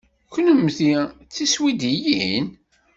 Kennemti d tiswidiyin?